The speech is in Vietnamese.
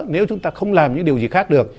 nếu chúng ta không làm những điều gì khác được